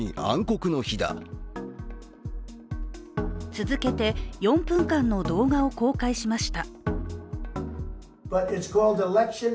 続けて４分間の動画を公開しました。